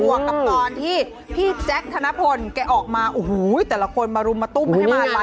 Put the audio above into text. วกกับตอนที่พี่แจ๊คธนพลแกออกมาโอ้โหแต่ละคนมารุมมาตุ้มให้มาลัย